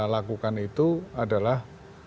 lakukan itu adalah